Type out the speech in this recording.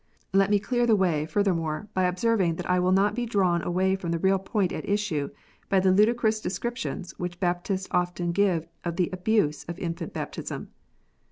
Let me clear the way, furthermore, by observing that I will not be drawn away from the real point at issue by the ludicrous descriptions which Baptists often give of the abuse of infant baptism.